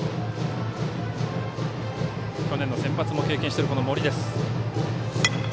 去年のセンバツも経験している森です。